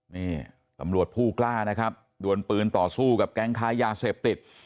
นี่ตำรวจผู้กล้านะครับดวนปืนต่อสู้กับแก๊งค้ายาเสพติด